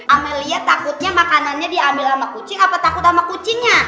amelia takutnya makanannya diambil sama kucing apa takut sama kucingnya